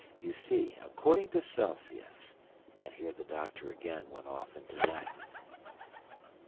You see, according to Celsius " And here the doctor again went off into Latin.